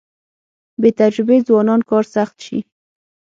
بې تجربې ځوانان کار سخت شي.